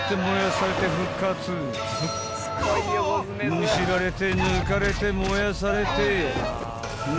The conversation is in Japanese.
［むしられて抜かれて燃やされて］